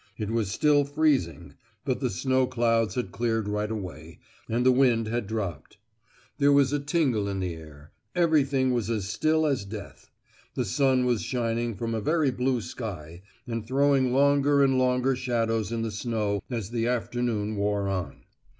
It was still freezing, but the snow clouds had cleared right away, and the wind had dropped. There was a tingle in the air; everything was as still as death; the sun was shining from a very blue sky, and throwing longer and longer shadows in the snow as the afternoon wore on.